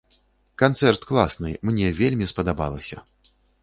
Канцэрт класны, мне вельмі спадабалася!